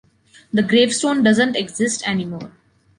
The gravestone doesn’t exist anymore.